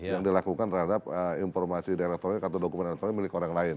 yang dilakukan terhadap informasi elektronik atau dokumen elektronik milik orang lain